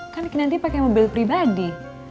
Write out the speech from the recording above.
tapi nanti pakai mobil pribadi